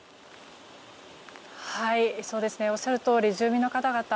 おっしゃるとおり住民の方々